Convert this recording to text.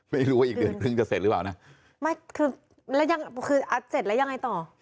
ไม่รู้ว่าอีกเดือนครึ่งจะเสร็จหรือเปล่านะคือเสร็จแล้วยังไงต่อ